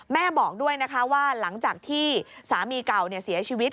บอกด้วยนะคะว่าหลังจากที่สามีเก่าเสียชีวิต